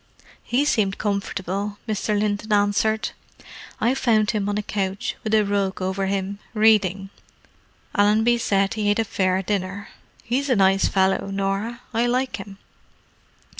"He seemed comfortable," Mr. Linton answered. "I found him on a couch, with a rug over him, reading. Allenby said he ate a fair dinner. He's a nice fellow, Norah; I like him."